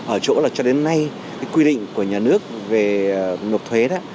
ở chỗ là cho đến nay quy định của nhà nước về nộp thuế